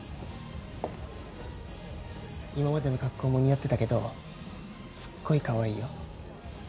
今までの格好も似合ってたけどすっごいかわいいよ。